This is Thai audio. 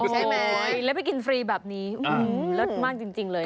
ใช่ไหมแล้วไปกินฟรีแบบนี้เลิศมากจริงเลย